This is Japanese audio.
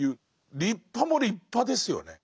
立派も立派ですよね。